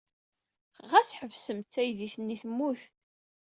Ɣas ḥsebemt taydit-nni temmut.